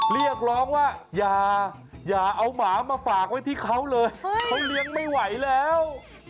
เรียกร้องว่าอย่าเอาหมามาฝากไว้ที่เขาเลยเขาเลี้ยงไม่ไหวแล้ว